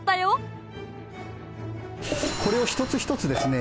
これを一つ一つですね